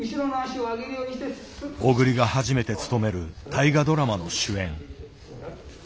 小栗が初めて務める大河ドラマの主演。